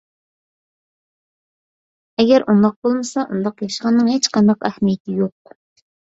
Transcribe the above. ئەگەر ئۇنداق بولمىسا، ئۇنداق ياشىغاننىڭ ھېچقانداق ئەھمىيىتى يوق.